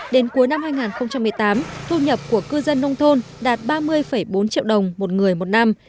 đến cuối năm hai nghìn một mươi tám thu nhập của cư dân nông thôn đạt ba mươi bốn triệu đồng một người một năm